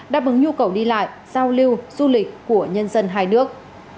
đáp ứng nhu cầu đi lại giao lưu du lịch của nhân dân hai nước